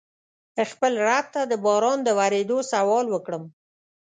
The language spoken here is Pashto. خپل رب ته د باران د ورېدو سوال وکړم.